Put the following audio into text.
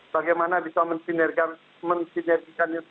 bagaimana bisa mensinergikan